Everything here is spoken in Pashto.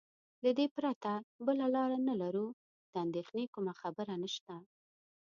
له دې پرته بله لار نه لرو، د اندېښنې کومه خبره نشته.